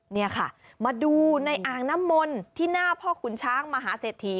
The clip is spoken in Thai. นี่ค่ะมาดูในอ่างน้ำมนต์ที่หน้าพ่อขุนช้างมหาเศรษฐี